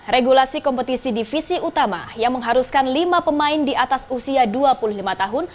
regulasi kompetisi divisi utama yang mengharuskan lima pemain di atas usia dua puluh lima tahun